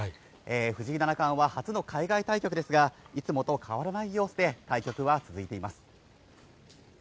藤井七冠は初の海外対局ですが、いつもと変わらない様子で対局は続いています。